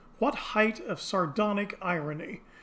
What height of sardonic irony!